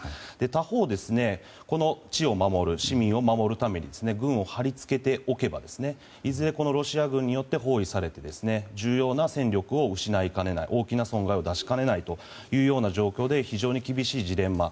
他方、この地を守る市民を守るために軍を張り付けておけばいずれ、このロシア軍によって包囲されて重要な戦力を失いかねない大きな損害を出しかねない状況で非常に厳しいジレンマ。